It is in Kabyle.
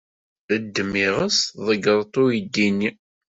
Ddem iɣes tḍeyyred-t i uydi-nni.